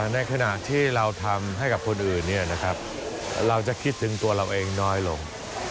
ในขณะที่เราทำให้กับคนอื่นเราจะคิดถึงตัวเราเองน้อยลง